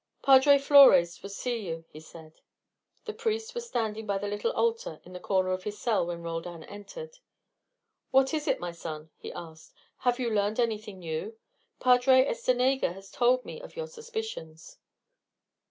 "Padre Flores will see you," he said. The priest was standing by the little altar in the corner of his cell when Roldan entered. "What is it, my son?" he asked. "Have you learned anything new? Padre Estenega has told me of your suspicions."